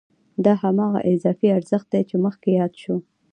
دا هماغه اضافي ارزښت دی چې مخکې یاد شو